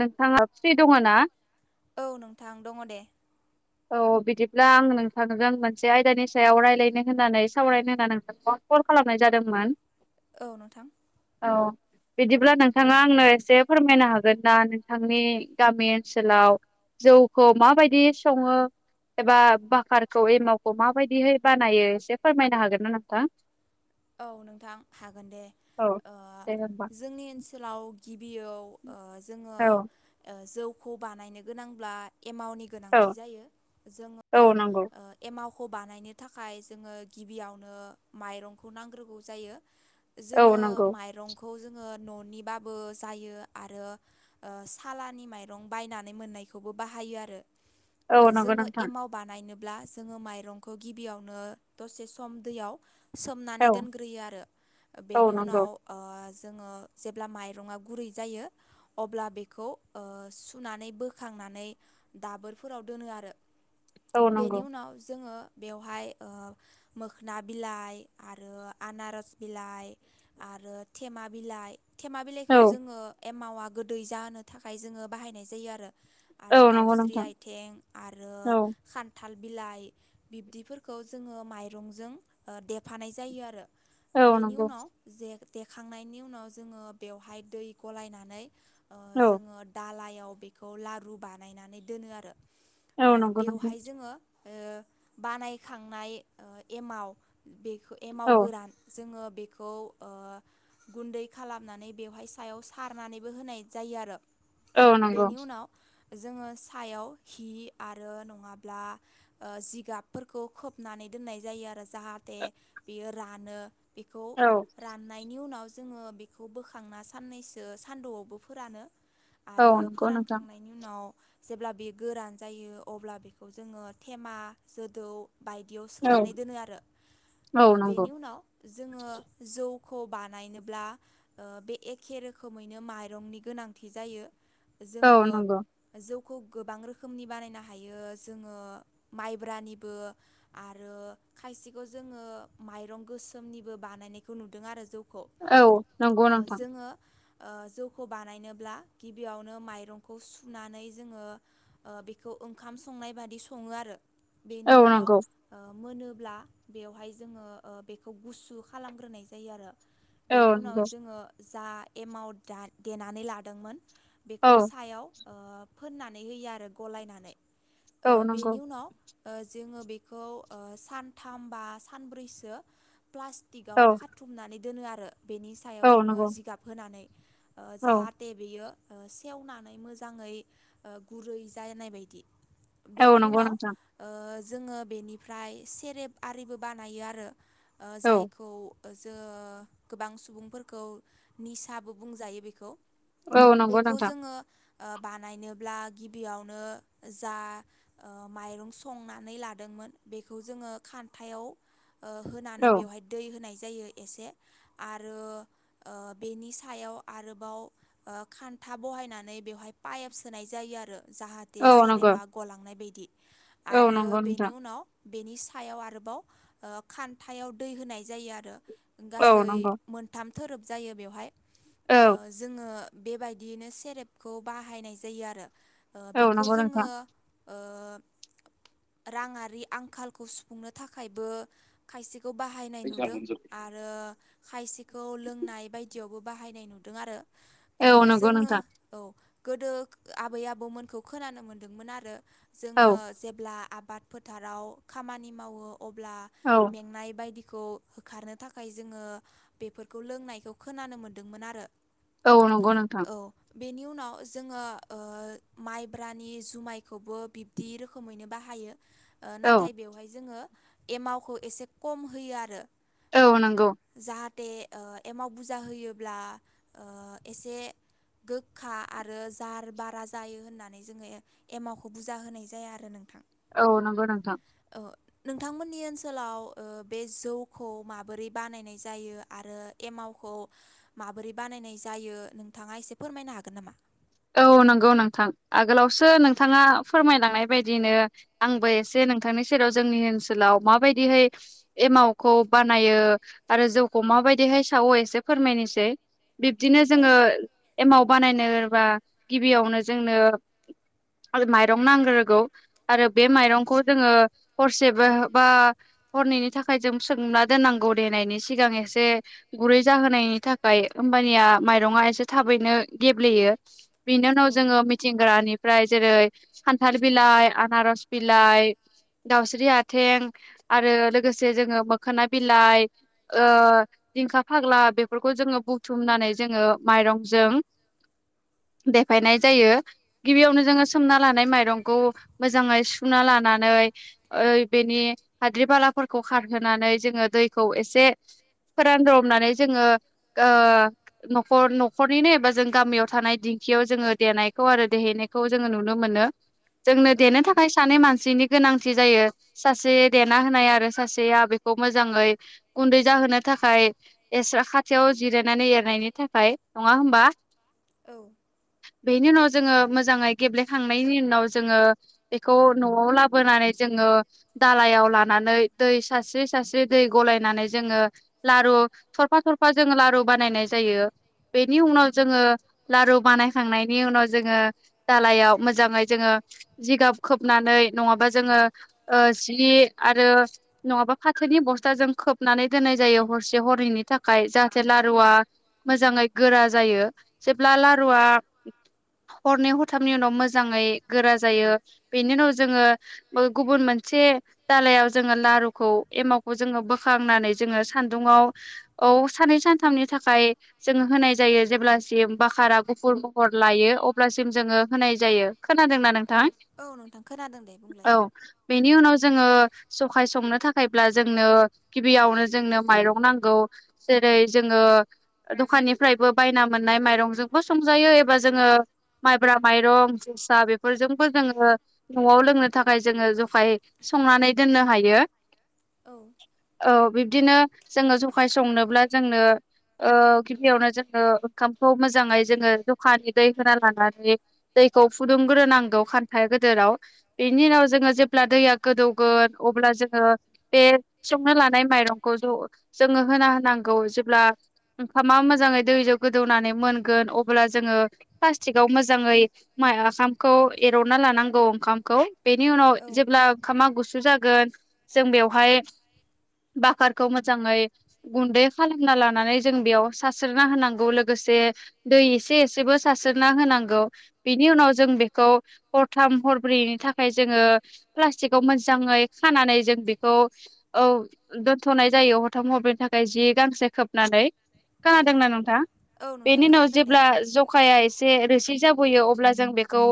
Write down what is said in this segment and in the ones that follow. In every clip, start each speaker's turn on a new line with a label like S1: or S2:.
S1: नोंथाङा फ्रि दङ ना?
S2: औ नोंथां दङ दे
S1: औ बिदिब्ला आं नोंथांजों मोनसे आयदानि सायाव रायलायनो होननानै सावरायनो होनानै नोंथांखौ आं कल खालामनाय जादोंमोन।
S2: औ नोंथां।
S1: औ। बिदिब्ला नोंथाङा आंनो एसे फोरमायनो हागोन ना नोंथांनि गामि ओनसोलाव जौखौ माबायदि सङो? एबा बाकारखौ एमावखौ माबायदिहै बानायो एसे फोरमायनो हागोन ना नोंथां?
S2: औ नोंथां हागोन दे
S1: औ
S2: ओ
S1: दे होमबा
S2: जोंनि ओनसोलाव गिबियाव ओ जोङो
S1: औ
S2: ओ जौखौ बानायनो गोनांब्ला एमावनि
S1: औ
S2: गोनांथि जायो जोङो ओ
S1: औ नंगौ
S2: ओ एमाव खौ बानायनो थाखाय जोङो गिबियावनो माइरंखौ नांग्रोगौ जायो।
S1: औ
S2: जोङो
S1: नंगौ
S2: माइरं खौ जोङो न'नि बाबो जायो आरो ओ सालानि माइरं बायनानै मोननाय खौबो बाहायो आरो
S1: औ नंगौ
S2: जोङो
S1: नोंथां
S2: एमाव बानायनो ब्ला जोङो माइरंखौ गिबियावनो दसे सम दैयाव सोम नानै
S1: औ
S2: दोनग्रोयो आरो
S1: औ
S2: बेनि
S1: नंगौ
S2: उनाव ओ जोङो जेब्ला माइरङा गुरै जायो अब्ला बेखौ ओ सुनानै बोखां नानै दाबोरफोराव दोनो आरो।
S1: औ
S2: बेनि
S1: नंगौ
S2: उनाव जोङो बेवहाय ओ मोखोना बिलाइ आरो आनारस बिलाइ आरो थेमा बिलाइ थेमा
S1: औ
S2: बिलाइखौ जोङो एमावा गोदै जाहोनो थाखाय जोङो बाहायनाय जायो आरो। आरो
S1: औ नंगौ
S2: दाउस्रि
S1: नोंथां
S2: आथिं आरो
S1: औ
S2: खान्था थाल बिलाइ बिब्दिफोरखौ जोङो माइरंजों देफानाय जायो आरो।
S1: औ
S2: बेनि
S1: नंगौ
S2: उनाव जे देखांनायनि उनाव जोङो बेवहाय दै गलायनानै ओ
S1: औ
S2: जोङो दालाइ याव बेखौ लारु बानायनानै दोनो आरो
S1: औ नंगौ नोंथां
S2: बेवहाय जोङो ओ बानायखांनाय ओ एमाव बे खौ एमाव
S1: औ
S2: गोरान जोङो बेखौ ओ गुन्दै खालामनानै बेवहाय सायाव सारनानैबो होनाय जायो आरो
S1: औ नंगौ
S2: बेनि उनाव जोङो सायाव हि आरो नङाब्ला ओ जिगाबफोरखौ खोबनानै दोननाय जायो आरो जाहाथे बियो रानो बेखौ
S1: औ
S2: राननायनि उनाव जोङो बेखौ बोखांना साननैसो सान्दौआवबो फोरानो
S1: औ
S2: आरो
S1: नंगौ नोंथां
S2: फोरानखांनायनि उनाव जेब्ला बे गोरान जायो अब्ला बेखौ जोङो थेमा जोदौ बायदियाव
S1: औ
S2: सोनानै दोनो आरो
S1: औ
S2: ओ
S1: नंगौ
S2: बेनि उनाव जोङो जो वखौ बानायनोब्ला ओ बे एखे रोखोमैनो माइरंनि गोनांथि जायो
S1: औ
S2: जोङो
S1: नंगौ
S2: जौ खौ गोबां रोखोमनि बानायनो हायो जोङो माइब्रानिबो आरो खायसे जोङो माइरं गोसोमनिबो बानायनायखौ नुदों आरो जौ
S1: औ नंगौ नोंथां
S2: ओ जौखौ बानायनोब्ला गिबियावनो माइरंखौ सुनानै जोङो ओ बेखौ ओंखाम संनाय बादि सङो आरो
S1: औ
S2: बेनि उनाव
S1: नंगौ
S2: ओ मोनोब्ला बेवहाय जोङो ओ बेखौ गुसु खालामग्रोनाय जायो आरो
S1: औ
S2: बेनि उनाव
S1: नंगौ
S2: जोङो जा एमाव दा देनानै लादोंमोन बेखौ
S1: औ
S2: सायाव ओ फोननानै होयो आरो गलायनानै ओ
S1: औ नंगौ
S2: बेनि उनाव जोङो बेखौ सान थाम बा सानब्रैसो प्लास्टिकआव
S1: औ
S2: खाथुमनानै दोनो आरो बेनि सायाव
S1: औ
S2: जोङो
S1: नंगौ
S2: जिगाब होनानै ओ
S1: औ
S2: जाहाथे बेयो ओ सेवनानै मोजाङै ओ गुरै जानाय बायदि
S1: औ
S2: बेनि
S1: नंगौ
S2: उनाव
S1: नोंथां
S2: ओ जोङो बेनिफ्राय सेरेब आरिबो बानायो आरो ओ
S1: औ
S2: जायखौ जो गोबां सुबुंफोरखौ निसाबो बुंजायो बेखौ
S1: औ नंगौ
S2: बेखौ
S1: नोंथां
S2: जोङो बानायनोब्ला गिबियावनो जा ओ माइरं संनानै लादों बेखौ जोङो कान्थायाव ओ होननानै
S1: औ
S2: बेवहाय दै होनाय जायो एसे आरो ओ बेनि सायाव आरोबाव ओ खान न्था बहायनानै बेवहाय पाइप सोनाय जायो आरो जाहाथे
S1: औ नंगौ
S2: सेरेबा गलांनाय बायदि
S1: औ
S2: आरो
S1: नंगौ
S2: बेनि
S1: नोंथां
S2: उनाव बेनि सा याव आरोबाव खान्थायाव दै होनाय जायो आरो
S1: औ
S2: गासै
S1: नंगौ
S2: मोनथाम थोरोब जायो बेवहाय
S1: औ
S2: ओ जोङो बेबायदियैनो सेरेपखौ बाहायनाय जायो आरो ओ
S1: औ
S2: बेखौ
S1: नंगौ
S2: जोङो
S1: नोंथां
S2: ओ राङारि आंखालखौ सुफुंनो थाखायबो खायसे खौ बाहायनाय नुदों आरो खायसेखौ लोंनाय बायदियावबो बाहायनाय नुदों आरो ओ
S1: औ नंगौ
S2: जोङो
S1: नोंथां
S2: औ गोदो आबै आबौमोनखौ खोनानो मोनदोंमोन आरो
S1: औ
S2: जोङो जेब्ला आबाद फोथाराव खामानि मावो अब्ला
S1: औ
S2: मेंनाय बायदि खौ होखारनो थाखाय जोङो बेफोरखौ लोंनायखौ खोनानो मोनदोंमोन आरो
S1: औ नंगौ नोंथां
S2: औ बेनि उनाव जोङो ओ माइब्रानि जुमायखौबो बिब्दि रोखोमैनो बाहायो ओ
S1: औ
S2: नाथाय बेवहाय जोङो एमावखौ एसे खम होयो आरो
S1: औ नंगौ
S2: ए ओ एमाव बुरजा होयोब्ला ओ एसे गोखा आरो जार बारा जायो होननानै जोङो एमावखौ बुजा होनाय जाया आरो नोंथां
S1: औ नंगौ नोंथां
S2: ओ नोंथांमोननि ओनसोलाव ओ बे जौखौ माबोरै बानायनाय जायो आरो एमावखौ माबोरै बानायनाय जायो नोंथाङा एसे फोरमायनो हागोन नामा
S1: औ नंगौ नोंथां आगोलावसो नोंथाङा फोरमायलांनाय बायदिनो आंबो एसे नोंथांनि सेराव जोंनि ओनसोलाव माबायदिहाय एमावखौ बानायो आरो जौखौ माबायदिहाय फसाव एसे फोरमायनोसै बिब्दिनो
S2: औ
S1: जोङो एमाव बानायनो बा गिबियावनो जोंनो आरो माइरं नांग्रोगौ आरो बे माइरंखौ जोङो हरसेबो बा बा हरनैनि थाखाय जों सोंना दोननांगौ देनायनि सिगां एसे गुरै जाहोनायनि थाखाय। होम्बानिया माइरंआ एसे थाबैनो गेब्लेयो बेनि उनाव
S2: औ
S1: जोङो मिथिंग्रानि ओमफ्राय जेरै खान्थाल बिलाइ आनारस बिलाइ दाउस्रि आथें आरो लोगोसे जोङो मोखोना बिलाइ ओ दिंखा फाग्ला बेफोरखौ जोङो बुथुमनानै जोङो माइरंजों देफायनाय जायो गिबियावनो जोङो सोमना लानाय माइरंखौ मोजाङै सुना लाना नै ओ बेनि हाद्रि बालाफोरखौ खारहोनानै जोङो दैखौ एसे फोरान रबनानै जोङो ओ न'खर न'खरनिनो एबा जों गामियाव थानाय दिंखियाव जोङो देनायखौ आरो देहैनायखौ जोङो नुनो मोनो। जोंनो
S2: औ
S1: देनो थाखाय सानै मानसिनि गोनांथि जायो सासे देना होनाय आरो सासेया बेखौ मोजाङै गुन्दै जाहोनो थाख थाखाय एस्रा खाथियाव जिरायनानै एरनायनि थाखाय नङा होमबा?
S2: औ
S1: बेनि उनाव जोङो मोजाङै गेब्लेखांनायनि उनाव जोङो बेखौ न'आव लाबोनानै जों ङो दालायाव लानानै दै सस्रि सारस्रि दै गलायनानै जोङो लारु थरफा थरफा जों लारु बानायनाय जायो बेनि उनाव जोङो लारु बानायखांनायनि उनाव जोङो दालायाव मोजाङै जोङो जिगाब खोबनानै नङाबा जोङो ओ जि आरो फाथोनि बस्थ जों खोबनानै दोन होननाय जायो हरसे हरनैनि थाखाय जाहाथे लारुआ मोजाङै गोरा जायो जेब्ला लारुवा हरनै हरथामनि उनाव मोजाङै गोरा जायो बेनि उनाव जोङो गुबुन मोनसे से दालायाव जोङो लारुखौ एमावखौ जोङो बोखांनानै जोङो सान्दुंआव खौ साननै सानथामनि थाखाय जों होनाय जायो जेब्ला सिम बाखारा गुफुर महर लायो अब्लासिम जोङो होनाय जायो। खोनादोंना
S2: औ
S1: नोंथां
S2: औ नोंथां खोनादों दे बुंलाय
S1: औ बेनि उनाव जोङो जखाय संनो थाखायब्ला जोंनो गिबियावनो जोंनो माइरं नांगौ जेरै जोङो दखाननिफ्रायबो बायनां मोननाय माइरंजोंबो संजायो एबा जोङो माइब्रा माइरं जोसा बेफोरजोंबो जोङो न'आव लोंनो थाखाय जोङो जखाय संनानै दोननो हायो।
S2: औ
S1: औ बिब्दिनो जोङो जखाय संनोब्ला जोंनो ओ गिबियावनो जोङो ओंखामखौ मोजाङै जोङो जखानि दै होना लानानै दैखौ फुदुंग्रोनांगौ खान्था जेराव बेनि उनाव जोङो जेब्ला दैया गोदौगोन अब्ला जोङो बे संनो लानाय माइरंखौ ज' जोङो होना नांगौ जेब्ला ओंखामा मोैजाङै दैजों गोदौनानै मोनगोन अब्ला जोङो प्लास्टिकाव मोजाङै मा आखामखौ एरनानै लांनांगौ ओंखामखौ बेनि उनाव
S2: औ
S1: जेब्ला ओामखामा गुसु जागोन जों बेवहाय बाकारखौ मोजाङै गुन्दै खालामना लानानै जों बेयाव सारास्रिना होनां लोगोसे दैसे एसेबो सारस्रोना होनांगौ बिनि उनाव जों बेखौ हरथाम हरब्रैनि थाखाय जोङो मोजाङै खानानै जों बेखौ औ दोनथ'नाय जायो हरथाम हरब्रैनि थाखाय जि गांसे खोबनानै।
S2: औ
S1: खोनादोंना नोंथा?
S2: नोंथां
S1: बेनि उनाव जेब्ला जौखाइया एसे रोसि जाबोयो अब्ला जों बेखौ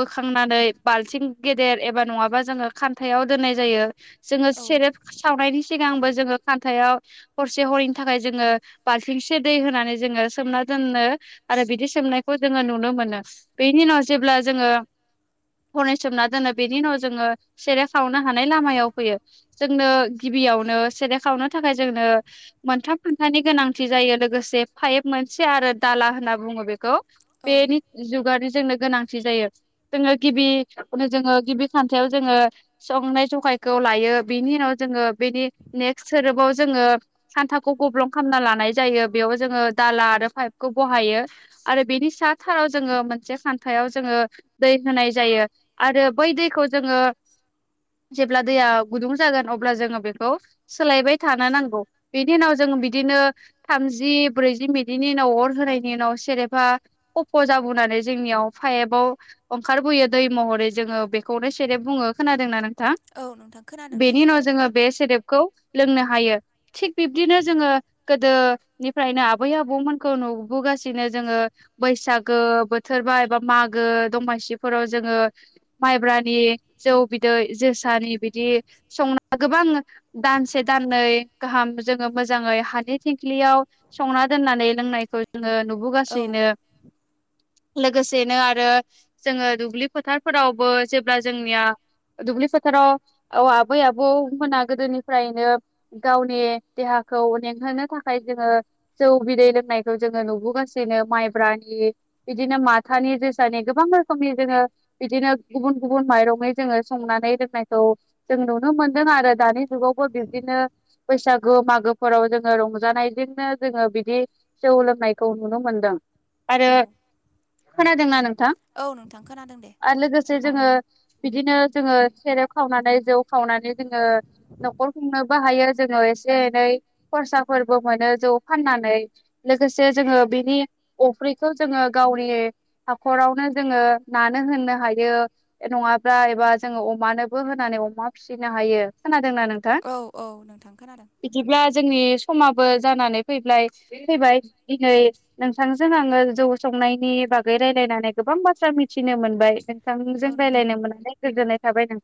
S1: बोखांनानै बालथिं गेदेर एबा नङाबा जोङो खानथायाव‌ दोननाय जायो जोङो सेरेब सावनायनि सिगांबो जोङो खान्थायाव हरसे हरनैनि थाखाय जोङो बालथिंसे दै होनानै जोङो सोमना दोनो आरो बिदि सोमनायखौ जोङो नुनो मोनो। बेनि उनाव जेब्ला जोङो फने सोमना दोनो बेनि उनाव जोङो सेरे खावनो हानाय लामायाव फैयो। जोंनो बियावनो सेरेब खावनो थाखाय जोंनो मोनथाम खानथानि गोनांथि जायो लोगोसे फाइभ मोनसे आरो दाला होनना बुङो बेखौ
S2: औ
S1: बेनि जुगानो जोंनो गोनांथि जायो। जोङो गिबि जोङो गिबि खान्थायाव जोङो संनाय जौखायखौ लायो। बिनि उनाव जोङो बेनि नेक्स्ट खोलोबाव जोङो खान्थाखौ गब्लं खालामना लानाय जायो। बेयावबो जोङो दाला आरो पाइपखौ बहायो आरो बेनि सा थाराव जोङो मोनसे खान्थायाव जोङो दै होनाय जायो आरो बै दैखौ जोङो जेब्ला दैया गुदुं जागोन अब्ला जोङो बेखौ सोलायबाय थानो नांगौ। बेनि उनाव जों बिदिनो थामजि ब्रैजि मिनिटनि उनाव अर होनायनि उनाव सेरेफा खफ' जाबोनानै जोंनियाव फाइपाव ओंखारबोयो दै महरै जोङो बेखौनो सेरेब बुङो खोनादों ना नों थां?
S2: औ नोंथां खोनादों दे
S1: बेनि उनाव जोङो बे सेरेब खौ लोंनो हायो। थिक बिब्दिनो जोङो गोदोनि फ्रायनो आबै आबौमोनखौ नुबोगासिनो जोङो बैसागो बोथोर बा एबा मागो दमासिफोराव जोङो माइब्रानि जौ बिदै जोसानि बिदि संना गोबां दानसे दाननै गाहाम जोङो मोजाङै हानि थिंख्लियाव संना दोननानै लोंनायखौ जोङो
S2: औ
S1: नुबोगासिनो। लोगोसेनो आरो जोङो दुब्लि फोथारफोरावबो जेब्ला जोंनिया दुब्लि फोथाराव औ आबै आबौ मोना गोदोनिफ्रायनो गावनि देहा खौ मेंहोनो थाखाय जोङो जौ बिदै लोंनायखौ जोङो नुबोगासिनो माइब्रानि, बिदिनो माथानि, जोसानि गोबां रोखोमनि जोङो बिदिनो गुबुन गुबुन माइरङै जोङो संनानै दोननायखौ जों नुनो मोनदों आरो दानि जुगावबो बिदिनो बैसागु मागोफोराव जोङो रंजानायजोंनो जोङो बिदि जौ लोंनायखौ नुनो मोनदों आरो
S2: औ
S1: खोनादोंना नों
S2: औ नोंथां खोनादों दे।
S1: जोङो बिदिनो जोङो सेरेब खावनानै जौ खावनानै जोङो न'खर खुंनोबो हायो, जोङो एसे एनै खरसाफोरबो मोनो जौ फाननानै लोगोसे जोङो बेनि अफ्रिखौ जोङो गावनि हाखरावनो जोङो नानो होनो हायो, नङाब्ला एबा जोङो अमानोबो होनानै अमा फिसि नो हायो। खोनादोंना नोंथां?
S2: औ औ नोंथां खोनादों
S1: बिदिब्ला जोंनि समाबो जानानै फैबाय फैबाय, दिनै नोंथांजों आङो जौ संनायनि बागै रायज्लायनानै गोबां बाथ्रा मिथिनो मोनबाय नोंथांजों
S2: औ नोंथां
S1: रायज्लायनो मोननानै। गोजोननाय थाबाय नोंथां।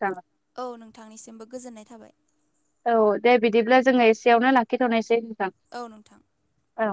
S2: औ नोंथांनिसिमबो गोजोननाय थाबाय।
S1: औ दे बिदिब्ला जोङो एसेयावनो लाखिथ'नोसै। नोंथां
S2: औ नोंथां।
S1: औ।